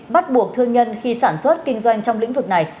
bắt buộc thương nhân khi sản xuất kinh doanh trong lĩnh vực này